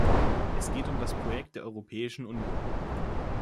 Es geht um das Projekt der Europäischen Union.